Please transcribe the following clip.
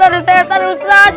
ada setan ustadz